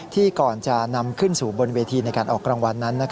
ก่อนจะนำขึ้นสู่บนเวทีในการออกรางวัลนั้น